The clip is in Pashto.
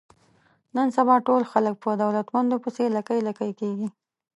نن سبا ټول خلک په دولتمندو پسې لکۍ لکۍ کېږي.